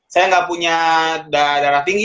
saya nggak punya darah tinggi